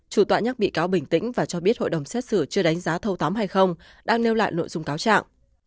chủ tọa nhắc bị cáo bình tĩnh và cho biết hội đồng xét xử chưa đánh giá thâu tóm hay không đang nêu lại nội dung cáo trạng